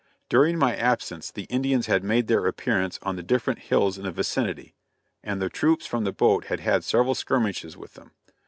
During my absence the Indians had made their appearance on the different hills in the vicinity, and the troops from the boat had had several skirmishes with them.